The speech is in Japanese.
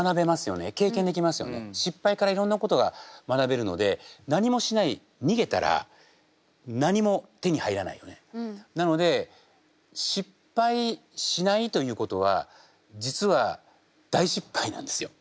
失敗からいろんなことが学べるので何もしないなので失敗しないということは実は大失敗なんですよ。